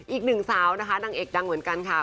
อีกหนึ่งสาวนะคะนางเอกดังเหมือนกันค่ะ